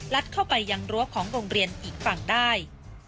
เข้าไปยังรั้วของโรงเรียนอีกฝั่งได้